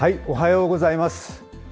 おはようございます。